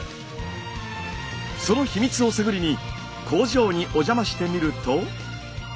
その秘密を探りに工場にお邪魔してみると。